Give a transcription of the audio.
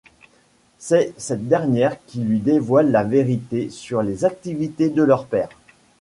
C'est cette dernière qui lui dévoile la vérité sur les activités de leur père.